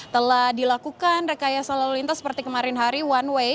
telah dilakukan rekayasa lalu lintas seperti kemarin hari one way